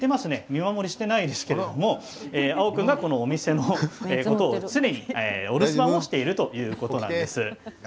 見守りしていないですけどあおくんがお店のこと常にお留守番をしているということです。